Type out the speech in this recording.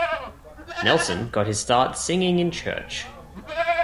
Nelson got his start singing in church.